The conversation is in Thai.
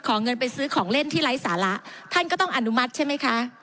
เงินไปซื้อของเล่นที่ไร้สาระท่านก็ต้องอนุมัติใช่ไหมคะ